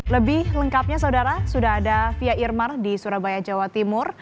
lebih lengkapnya saudara sudah ada fia irmar di surabaya jawa timur